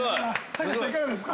◆隆さん、いかがですか。